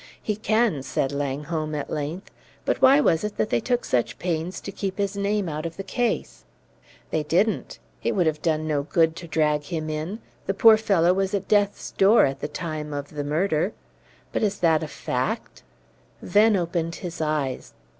"He can," said Langholm at length. "But why was it that they took such pains to keep his name out of the case?" "They didn't. It would have done no good to drag him in. The poor devil was at death's door at the time of the murder." "But is that a fact?" Venn opened his eyes.